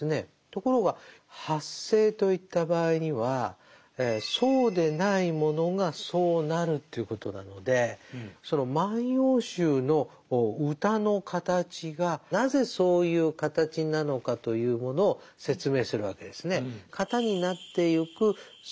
ところが「発生」といった場合にはそうでないものがそうなるということなのでその「万葉集」の歌の形がなぜそういう形なのかというものを説明するわけですね。